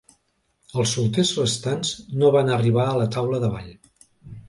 Els solters restants no van arribar a la taula de ball.